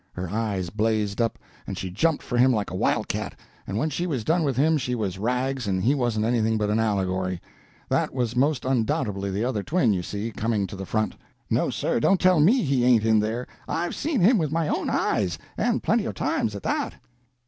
Her eyes blazed up, and she jumped for him like a wild cat, and when she was done with him she was rags and he wasn't anything but an allegory. That was most undoubtedly the other twin, you see, coming to the front. No, sir; don't tell me he ain't in there. I've seen him with my own eyes—and plenty of times, at that."